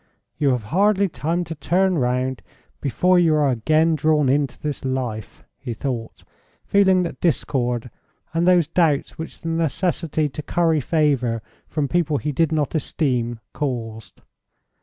"You have hardly time to turn round before you are again drawn into this life," he thought, feeling that discord and those doubts which the necessity to curry favour from people he did not esteem caused.